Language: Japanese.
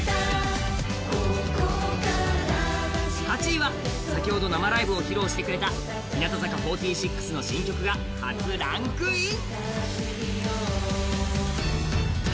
８位は先ほど生ライブを披露してくれた日向坂４６の新曲が初ランクイン。